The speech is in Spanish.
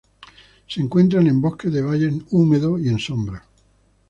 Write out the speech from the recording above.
Se encuentran en bosques de valles húmedos, y en sombra.